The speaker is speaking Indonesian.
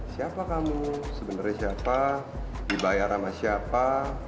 siapa kamu sebenarnya siapa dibayar sama siapa